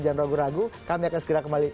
jangan ragu ragu kami akan segera kembali